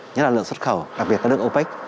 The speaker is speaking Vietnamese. nhất là lượng xuất khẩu đặc biệt các nước opec